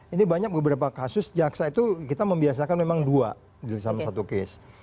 ini banyak beberapa kasus jaksa itu kita membiasakan memang dua di dalam satu case